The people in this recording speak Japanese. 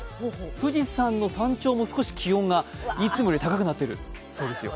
富士山の山頂も少し気温がいつもより高くなっているそうですよ。